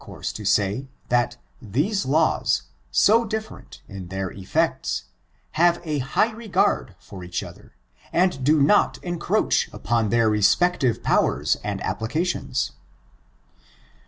40t course to say, that these laws, so different in their ef fects, have a high regard for each other and do not encroach upon their respective powers and applica tious.